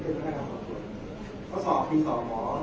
แต่ว่าไม่มีปรากฏว่าถ้าเกิดคนให้ยาที่๓๑